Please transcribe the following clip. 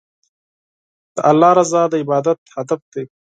د الله رضا د عبادت هدف دی.